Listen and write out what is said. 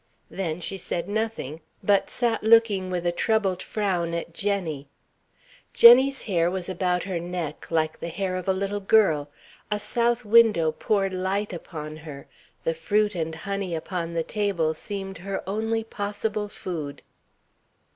Then she said nothing, but sat looking with a troubled frown at Jenny. Jenny's hair was about her neck, like the hair of a little girl, a south window poured light upon her, the fruit and honey upon the table seemed her only possible food.